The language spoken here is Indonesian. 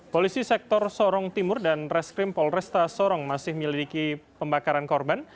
polisi sektor sorong timur dan reskrim polresta sorong masih miliki pembakaran korban